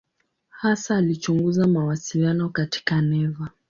Hasa alichunguza mawasiliano katika neva.